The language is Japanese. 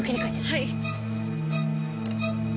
はい。